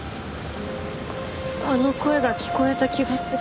あの声が聞こえた気がする。